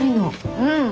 うん。